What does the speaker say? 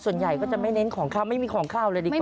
ส่วนใหญ่ก็จะไม่เน้นของข้าวไม่มีของข้าวเลยดีกว่า